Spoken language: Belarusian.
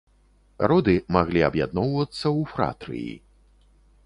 Роды маглі аб'ядноўвацца ў фратрыі.